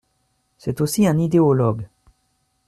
C'est aussi un idéologue.